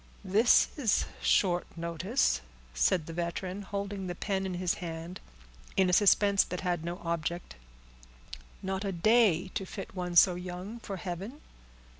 "This is short notice," said the veteran, holding the pen in his hand, in a suspense that had no object; "not a day to fit one so young for heaven?"